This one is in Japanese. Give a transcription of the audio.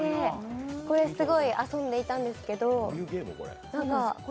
これですごい遊んでいたんですけど。